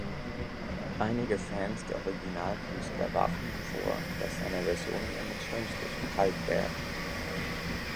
Einige Fans der Original-Künstler warfen ihm vor, dass seine Versionen emotionslos und kalt wären.